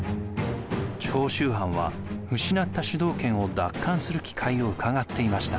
長州藩は失った主導権を奪還する機会をうかがっていました。